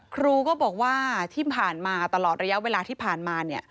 ครูก็บอกว่าที่ผ่านมาตลอดระยะเวลาที่ผ่านมา